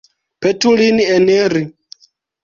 Petu lin eniri.